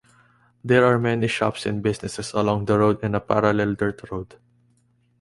There are many shops and businesses along the road and a parallel dirt road.